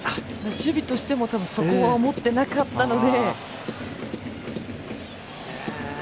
守備としてもそこは思ってなかったので。